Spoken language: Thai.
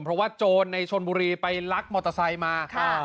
เพราะว่าโจรในชนบุรีไปลักมอเตอร์ไซค์มา